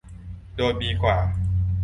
โดยมีกว่า